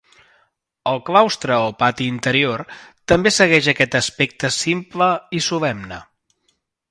El claustre o pati interior també segueix aquest aspecte simple i solemne.